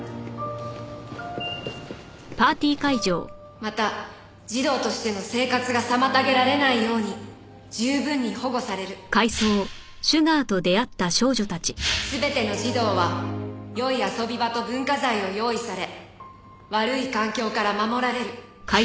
「また児童としての生活がさまたげられないように十分に保護される」「すべての児童はよい遊び場と文化財を用意され悪い環境からまもられる」